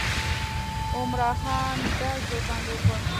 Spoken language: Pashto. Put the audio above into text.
عمرا خان ډز ورباندې وکړ.